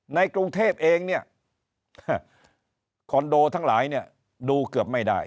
ในกรุงเทพเองเนี่ยคอนโดทั้งหลายเนี่ยดูเกือบไม่ได้